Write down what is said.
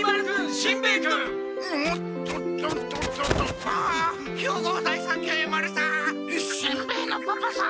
しんべヱのパパさん